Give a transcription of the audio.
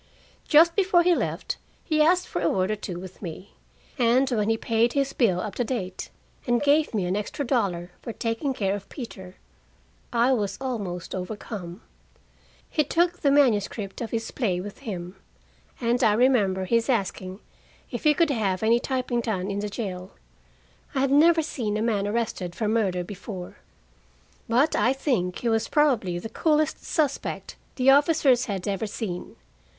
Just before he left, he asked for a word or two with me, and when he paid his bill up to date, and gave me an extra dollar for taking care of Peter, I was almost overcome. He took the manuscript of his play with him, and I remember his asking if he could have any typing done in the jail. I had never seen a man arrested for murder before, but I think he was probably the coolest suspect the officers had ever seen.